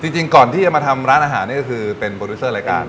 จริงก่อนที่จะมาทำร้านอาหารนี่ก็คือเป็นโปรดิวเซอร์รายการ